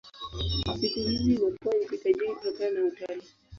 Siku hizi imekuwa nchi tajiri kutokana na utalii.